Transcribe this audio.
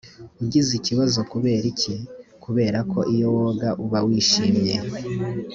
ugize ikibazo kubera iki kubera ko iyo woga uba wishimye